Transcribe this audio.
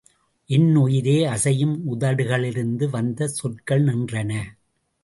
என் உயிரே! அசையும் உதடுகளிலிருந்து வந்த சொற்கள் நின்றன.